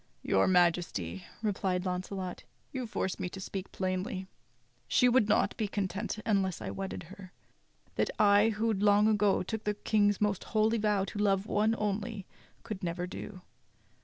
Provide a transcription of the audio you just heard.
"Your Majesty," replied Launcelot, "you force me to speak plainly. She would not be content unless I wedded her. That I, who long ago took the King's most holy vow to love one only, could never do.